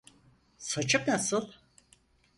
Saçım nasıl?